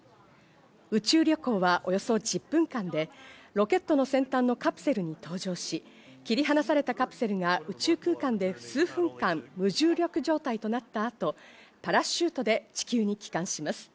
宇宙旅行はおよそ１０分間で、ロケットの先端のカプセルに搭乗し、切り離されたカプセルが宇宙空間で数分間、無重力状態となったあとパラシュートで地球に帰還します。